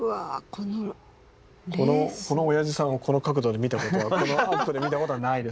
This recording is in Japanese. このおやじさんをこの角度で見たことはこのアップで見たことはないですよこれは。